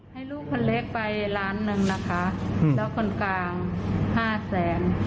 ให้ลูกคนเล็กไปล้านหนึ่งนะคะแล้วคนกลางห้าแสน